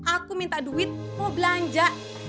aku minta duit mau belanja